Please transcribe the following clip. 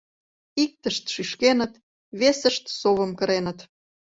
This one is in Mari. Иктышт шӱшкеныт, весышт совым кыреныт.